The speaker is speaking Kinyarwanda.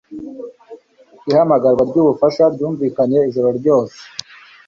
Ihamagarwa ry'ubufasha ryumvikanye ijoro ryose.